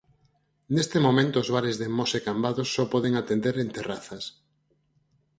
Neste momento os bares de Mos e Cambados só poden atender en terrazas.